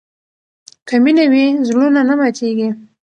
که مینه وي، زړونه نه ماتېږي.